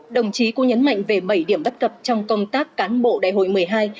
đồng chí cũng nhấn mạnh về bảy điểm bất cập trong công tác cán bộ đại hội một mươi hai